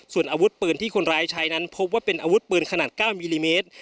ส่วนอาวุธปืนที่คนร้ายใช้นั้นพบว่าเป็นอาวุธปืนขนาด๙มิลลิเมตร